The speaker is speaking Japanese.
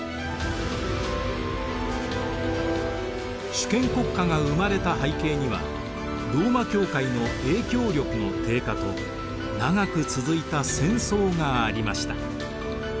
主権国家が生まれた背景にはローマ教会の影響力の低下と長く続いた戦争がありました。